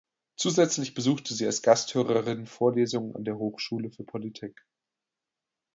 Zusätzlich besuchte sie als Gasthörerin Vorlesungen an der Hochschule für Politik.